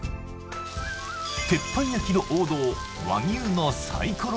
鉄板焼きの王道和牛のサイコロ